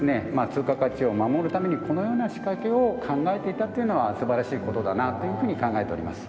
通貨価値を守るためにこのような仕掛けを考えていたというのは素晴らしい事だなというふうに考えております。